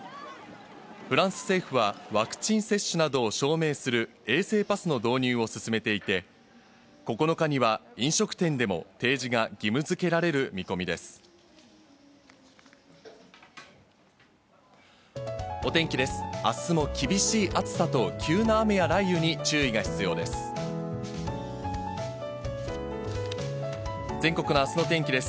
フランス政府はワクチン接種などを証明する衛生パスの導入を進めていて、９日には飲食店でも提示が義務付けられる見込みです。